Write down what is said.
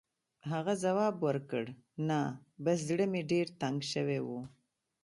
هغه ځواب ورکړ: «نه، بس زړه مې ډېر تنګ شوی و.